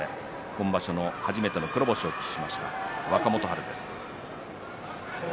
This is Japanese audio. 今場所初めての黒星を喫しています、若元春。